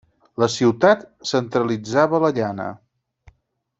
La ciutat centralitzava la llana.